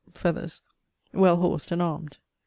feathers, well horsed, and armed.